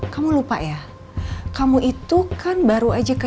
bapak kita keluar aja ya